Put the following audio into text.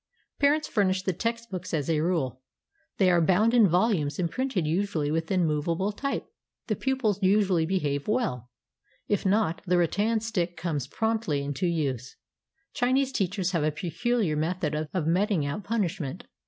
Parents furnish the textbooks as a rule. They are bound into volumes and printed usually with immovable type. The pupils usually behave well. If not, the rattan stick comes promptly into use. Chinese teachers have a pecul iar method of meting out punishment.